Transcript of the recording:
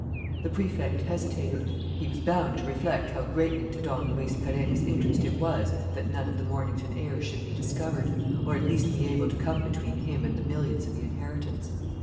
The Prefect hesitated. He was bound to reflect how greatly to Don Luis Perenna's interest it was that none of the Mornington heirs should be discovered, or at least be able to come between him and the millions of the inheritance.